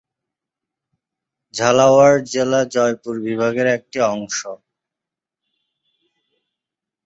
ঝালাওয়াড় জেলা জয়পুর বিভাগের একটি অংশ।